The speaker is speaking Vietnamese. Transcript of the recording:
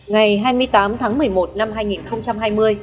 ngày hai mươi tám tháng một mươi một năm hai nghìn hai mươi